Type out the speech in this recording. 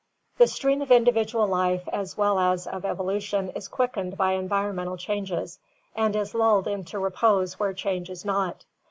The stream of individual life as well as of evolution is quickened by environmental changes and is lulled into repose where change is not.